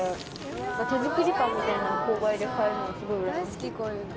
手作りパンみたいなの購買で買えるのすごいうらやましい。